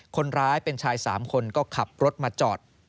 คนร้ายเป็นชาย๓คนก็ขับรถมาจอด